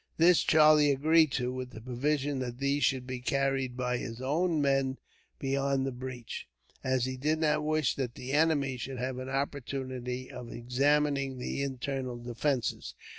This Charlie agreed to, with the proviso that these should be carried by his own men beyond the breach, as he did not wish that the enemy should have an opportunity of examining the internal defences.